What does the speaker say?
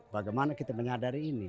bagaimana kita menyadari ini